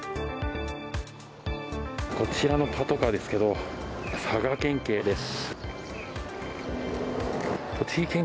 こちらのパトカーは佐賀県警です。